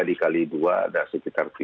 dikali dua ada sekitar